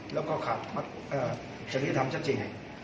แล้วก็ขัดจังหิตามชัดเจน